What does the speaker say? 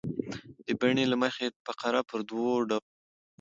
د بڼي له مخه فقره پر دوه ډوله ده.